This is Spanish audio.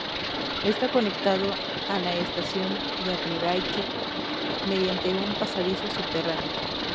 Está conectado a la Estación de Admiralty mediante un pasadizo subterráneo.